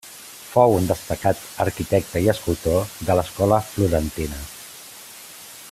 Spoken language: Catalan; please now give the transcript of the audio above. Fou un destacat arquitecte i escultor de l'escola florentina.